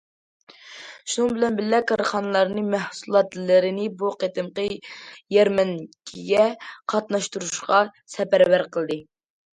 شۇنىڭ بىلەن بىللە، كارخانىلارنى مەھسۇلاتلىرىنى بۇ قېتىمقى يەرمەنكىگە قاتناشتۇرۇشقا سەپەرۋەر قىلدى.